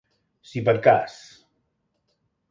Si per cas.